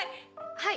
はい。